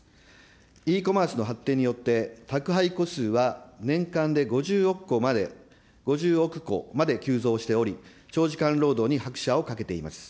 Ｅコマースの発展によって、宅配個数は年間で５０億個まで急増しており、長時間労働に拍車をかけています。